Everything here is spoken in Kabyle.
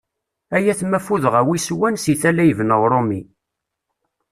Ay atma ffudeɣ a wi yeswan si tala yebna Uṛumi.